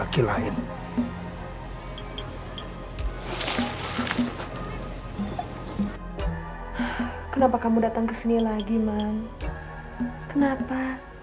kamu datang kesini lagi man kenapa